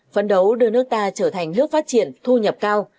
phấn đấu đưa nước ta trở thành nước phát triển thu nhập cao